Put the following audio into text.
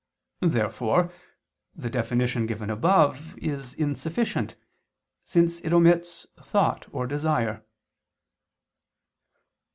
Therefore the definition given above is insufficient, since it omits "thought" or "desire."